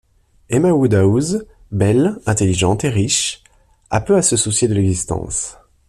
Emma Woodhouse, belle, intelligente et riche, a peu à se soucier de l’existence.